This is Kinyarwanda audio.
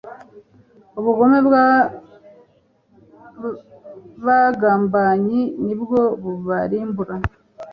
ubugome bw'abagambanyi ni bwo bubarimbura